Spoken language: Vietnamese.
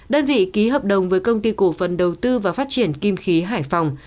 đơn vị ký hợp đồng với công ty cổ phần đầu tư và phát triển kim khí hải phòng